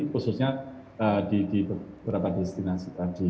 khususnya di beberapa destinasi tadi